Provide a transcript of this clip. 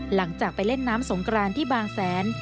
หลังจากไปเล่นน้ำสงกรานที่บางแสน